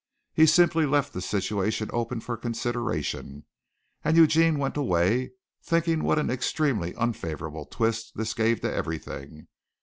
He simply left the situation open for consideration, and Eugene went away thinking what an extremely unfavorable twist this gave to everything.